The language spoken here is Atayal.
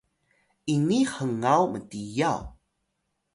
ini hngaw mtiyaw